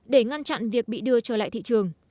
để ngăn chặn việc bị đưa trở lại thị trường